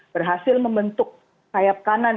berhasil membentuk sayap kanan